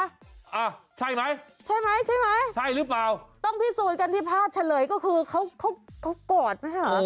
อ่าใช่ไหมใช่หรือเปล่าต้องพิสูจน์กันที่พลาดเฉลยก็คือเขากอดไหมฮะ